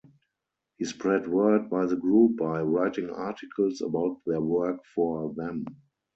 He spread word of the group by writing articles about their work for them.